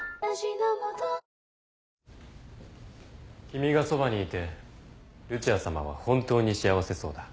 君がそばにいてルチアさまは本当に幸せそうだ。